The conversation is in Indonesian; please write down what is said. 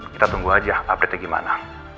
kita tunggu aja updatenya gimana